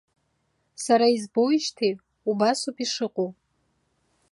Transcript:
Сара избоижьҭеи убасоуп ишыҟоу.